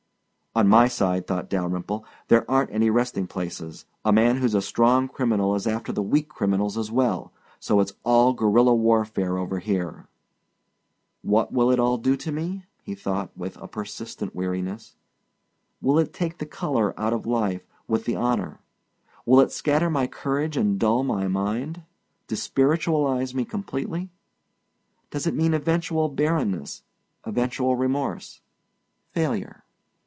On my side, thought Dalyrimple, there aren't any resting places; a man who's a strong criminal is after the weak criminals as well, so it's all guerilla warfare over here. What will it all do to me? he thought with a persistent weariness. Will it take the color out of life with the honor? Will it scatter my courage and dull my mind? despiritualize me completely does it mean eventual barrenness, eventual remorse, failure?